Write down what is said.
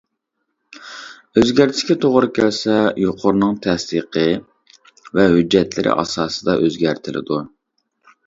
ئۆزگەرتىشكە توغرا كەلسە يۇقىرىنىڭ تەستىقى ۋە ھۆججەتلىرى ئاساسىدا ئۆزگەرتىلىدۇ.